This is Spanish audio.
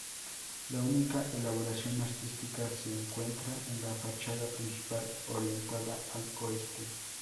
La única elaboración artística se encuentra en la fachada principal, orientada al oeste.